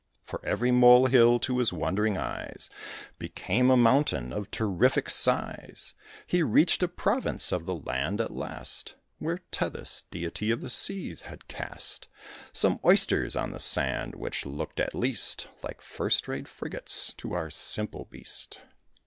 For every molehill, to his wondering eyes, Became a mountain of terrific size. He reached a province of the land, at last, Where Tethys, deity of seas, had cast Some Oysters on the sand, which looked at least Like first rate frigates to our simple beast.